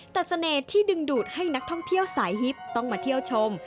แต่เสน่ห์ที่ดึงดูดให้นักท่องเที่ยวสายฮิปต้องมาเที่ยวชม